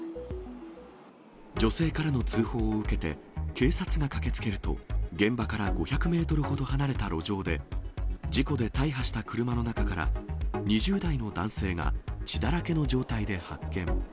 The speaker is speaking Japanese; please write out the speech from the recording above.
女性からの通報を受けて、警察が駆けつけると、現場から５００メートルほど離れた路上で、事故で大破した車の中から、２０代の男性が血だらけの状態で発見。